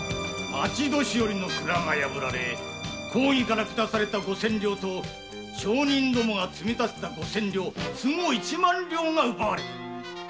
町年寄の蔵が破られ公儀から下された五千両と町人どもが積み立てた五千両合計・一万両が奪われた。